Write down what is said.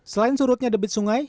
selain surutnya debit sungai